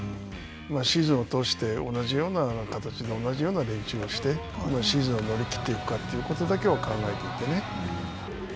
シーズンを通して、同じような形の、同じような練習をして、シーズンを乗り切っていくかということだけを考えていてね。